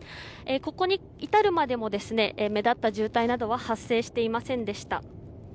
ここに至るまでも目立った渋滞などは発生していませんでした。